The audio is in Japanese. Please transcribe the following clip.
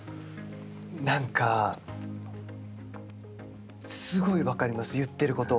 なんか、すごい分かります、言ってること。